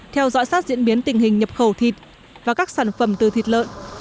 theo dõi sát diễn biến tình hình nhập khẩu thịt và các sản phẩm từ thịt lợn